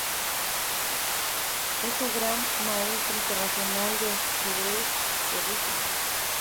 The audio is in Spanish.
Es un Gran Maestro Internacional de ajedrez de Rusia.